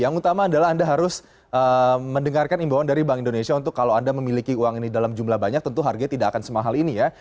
yang utama adalah anda harus mendengarkan imbauan dari bank indonesia untuk kalau anda memiliki uang ini dalam jumlah banyak tentu harganya tidak akan semahal ini ya